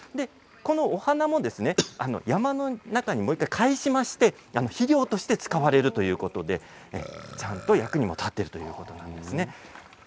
お花も山の中にもう１回返しまして肥料として使われるということでちゃんと役にも立っているということです。